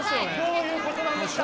どういうことなんですか？